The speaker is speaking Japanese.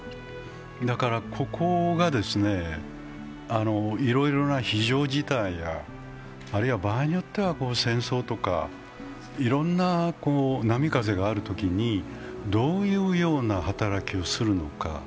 ここがいろいろな非常事態やあるいは場合によっては戦争とかいろんな波風があるときにどういうような働きをするのか。